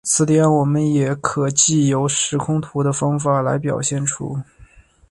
此点我们也可藉由时空图的方法来表现出。